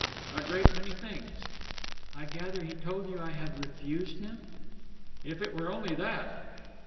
"A great many things." "I gather he told you I had refused him." "If it were only that!"